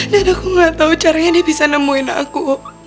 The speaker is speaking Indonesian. dan aku gak tau caranya dia bisa nemuin aku